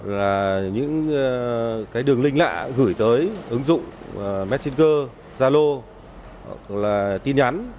là những đường linh lạ gửi tới ứng dụng messenger zallo hoặc là tin nhắn